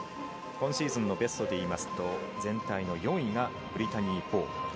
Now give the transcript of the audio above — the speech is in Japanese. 今シーズンのベストでいますと全体の４位がブリタニー・ボウ。